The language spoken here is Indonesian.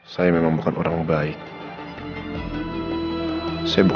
saya bukan orang baik pak